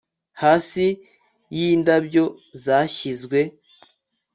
Hasi yindabyo zashyizwe